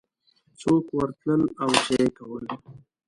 څوک ورتلل او څه یې کول